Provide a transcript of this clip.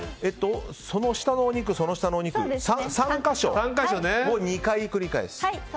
その下のお肉、その下のお肉３か所を２回繰り返す。